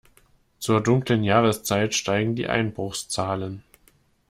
Zur dunklen Jahreszeit steigen die Einbruchszahlen.